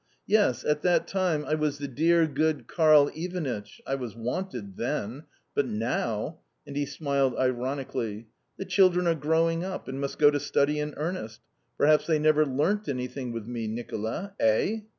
Yes, at that time I was 'the dear, good Karl Ivanitch' I was wanted then; but now" and he smiled ironically "the children are growing up, and must go to study in earnest. Perhaps they never learnt anything with me, Nicola? Eh?"